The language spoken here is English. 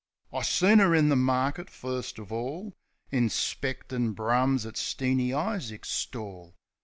I seen 'er in the markit first uv all, Inspectin' brums at Steeny Isaacs' stall.